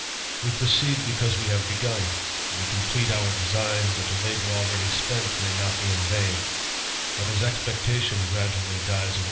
We proceed because we ;un ; we complete our design that the labour already ly not be in vain : but^ as e xpectatio n gradu ally dies.